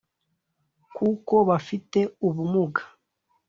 kuko bafite ubumuga